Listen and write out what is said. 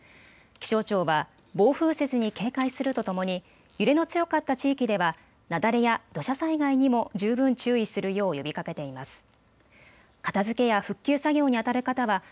気象庁は暴風雪に警戒するとともに揺れの強かった地域では雪崩や土砂災害にも十分注意するよう呼びかけています。